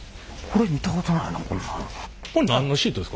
これ見たことないなこんなん。